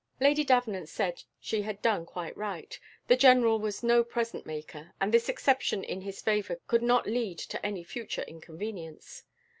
Lady Davenant said she had done quite right. The general was no present maker, and this exception in his favour could not lead to any future inconvenience.